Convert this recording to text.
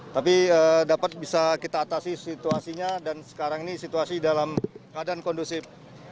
tapi dapat bisa kita atasi situasinya dan sekarang ini situasi dalam keadaan kondusif